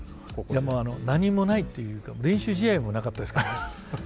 でもあの何もないっていうか練習試合もなかったですからね。